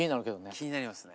気になりますね。